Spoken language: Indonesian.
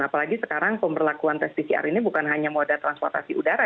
apalagi sekarang pemberlakuan tes pcr ini bukan hanya moda transportasi udara